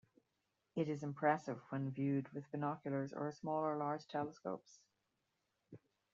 It is impressive when viewed with binoculars or a small or large telescopes.